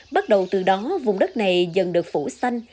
bắt đầu từ đó vùng đất này dần được phủ xanh